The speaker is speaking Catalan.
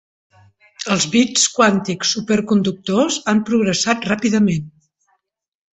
Els bits quàntics superconductors han progressat ràpidament.